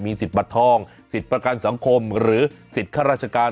สิทธิ์บัตรทองสิทธิ์ประกันสังคมหรือสิทธิ์ข้าราชการ